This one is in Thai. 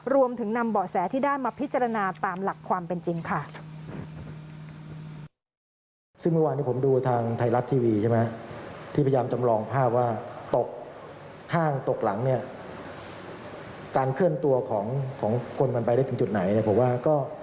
รวมถึงนำเบาะแสที่ได้มาพิจารณาตามหลักความเป็นจริงค่ะ